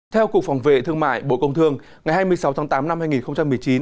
theo cục phòng vệ thương mại bộ công thương ngày hai mươi sáu tháng tám năm hai nghìn một mươi chín